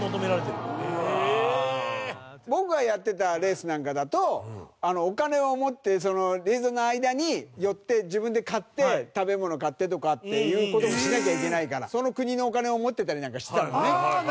僕がやってたレースなんかだと、お金を持ってリエゾンの間に寄って自分で買って食べ物買ってとかっていうこともしなきゃいけないからその国のお金を持ってたりなんかしてたもんね。